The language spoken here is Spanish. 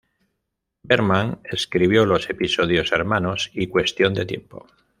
Berman escribió los episodios "Hermanos" y "Cuestión de tiempo".